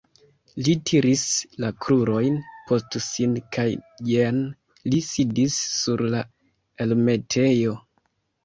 Li tiris la krurojn post sin kaj jen li sidis sur la elmetejo.